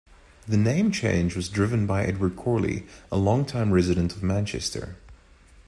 The name change was driven by Edward Corley, a longtime resident of Manchester.